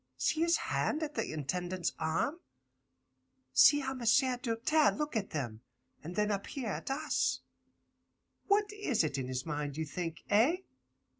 See his hand at the Intendant's arm. See how M'sieu' Doltaire look at them, and then up here at us. What is it in his mind, you think? Eh?